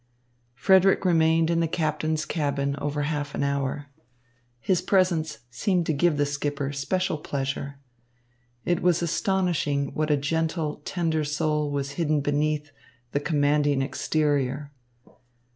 Frederick remained in the captain's cabin over half an hour. His presence seemed to give the skipper special pleasure. It was astonishing what a gentle, tender soul was hidden beneath the commanding exterior.